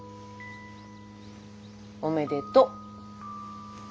おめでと。